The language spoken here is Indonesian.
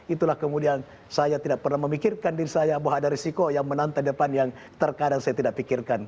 itulah kemudian saya tidak pernah memikirkan diri saya bahwa ada risiko yang menantang depan yang terkadang saya tidak pikirkan